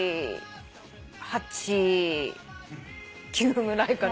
８９ぐらいかな。